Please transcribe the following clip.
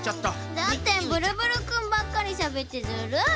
だってブルブルくんばっかりしゃべってずるい！